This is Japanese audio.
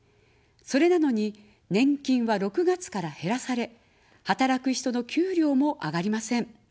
それなのに、年金は６月から減らされ、働く人の給料も上がりません。